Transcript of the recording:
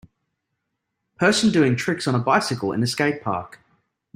Person doing tricks on a bicycle in a skatepark.